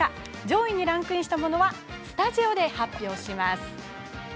上位にランクインしたものはスタジオでご紹介します。